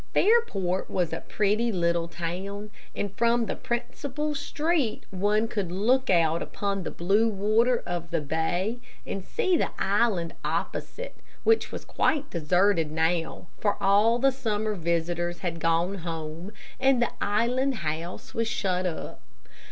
Fairport was a pretty little town, and from the principal street one could look out upon the blue water of the bay and see the island opposite, which was quite deserted now, for all the summer visitors had gone home, and the Island House was shut op.